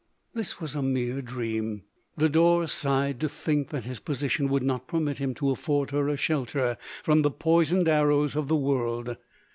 This was a mere dream. Lodore si shed to think that his position would not permit him to afford her a shelter from the poisoned arrows of the world.